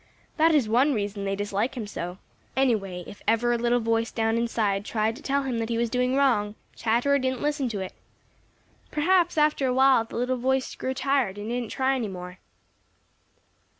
That is one reason they dislike him so. Anyway, if ever a little voice down inside tried to tell him that he was doing wrong, Chatterer didn't listen to it. Perhaps, after a while, the little voice grew tired and didn't try any more.